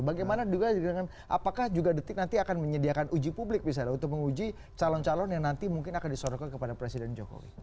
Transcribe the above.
bagaimana juga dengan apakah juga detik nanti akan menyediakan uji publik misalnya untuk menguji calon calon yang nanti mungkin akan disorotkan kepada presiden jokowi